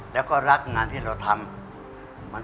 แล้วก็รักงานที่เราทำ